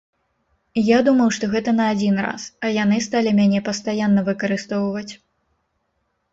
Я думаў, што гэта на адзін раз, а яны сталі мяне пастаянна выкарыстоўваць.